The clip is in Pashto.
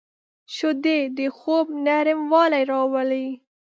شیدې د خوب نرموالی راولي